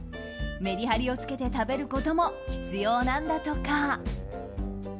メリハリをつけて食べることも必要なんだとか。